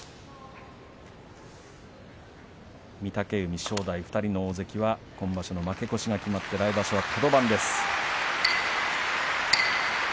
御嶽海、正代、２人の大関は今場所の負け越しが決まって来場所はカド番です。